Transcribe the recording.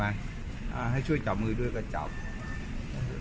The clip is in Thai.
ไม่มีอะไรพี่ผู้สมัครเขามาสมัคร